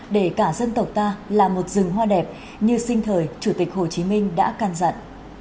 để cả dân tộc ta là một rừng hoa đẹp như sinh thời chủ tịch hồ chí minh đã can dặn